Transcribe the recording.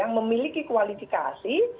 yang memiliki kualifikasi